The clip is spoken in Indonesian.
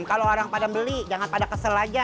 kalau orang pada beli jangan pada kesel aja